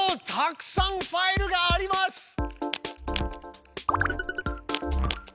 たくさんファイルがあります！